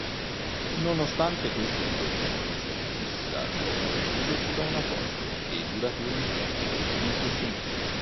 Nonostante queste divergenze Pissarro esercitò una forte e duratura influenza sugli Impressionisti.